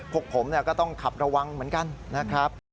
พวกผมก็ต้องขับระวังเหมือนกันนะครับ